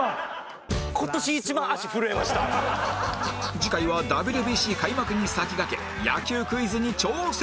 次回は ＷＢＣ 開幕に先駆け野球クイズに挑戦！